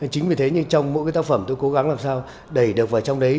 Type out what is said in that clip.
chính vì thế nhưng trong mỗi cái tác phẩm tôi cố gắng làm sao đẩy được vào trong đấy